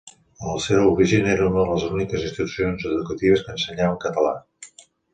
En el seu origen era una de les úniques institucions educatives que ensenyava en català.